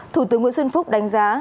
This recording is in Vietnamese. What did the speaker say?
thủ tướng nguyễn xuân phúc đánh giá